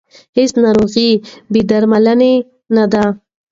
هیڅ ناروغي بې درملنې نه ده.